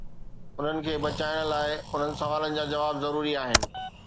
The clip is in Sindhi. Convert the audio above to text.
انهن کي بچائڻ لاء، انهن سوالن جا جواب ضروري آهن.